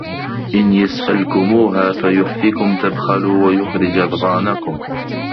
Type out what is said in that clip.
إِن يَسأَلكُموها فَيُحفِكُم تَبخَلوا وَيُخرِج أَضغانَكُم